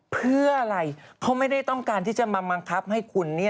เพื่ออะไรเขาไม่ได้ต้องการที่จะมาบังคับให้คุณ